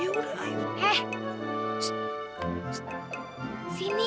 iya di situ